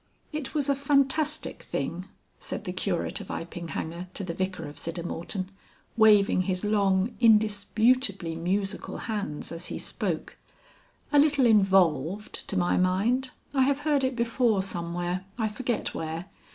"It was a fantastic thing," said the Curate of Iping Hanger to the Vicar of Siddermorton, waving his long indisputably musical hands as he spoke; "a little involved, to my mind. I have heard it before somewhere I forget where.